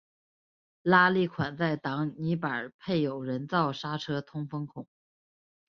拉力款在挡泥板配有人造刹车通风孔。